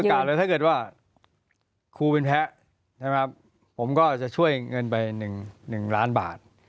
พี่ประกาศเลยถ้าเกิดว่าครูเป็นแพ้ใช่ไหมครับผมก็จะช่วยเงินไป๑ล้านบาท